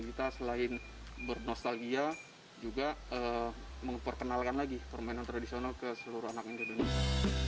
kita selain bernostalgia juga memperkenalkan lagi permainan tradisional ke seluruh anak anak di dunia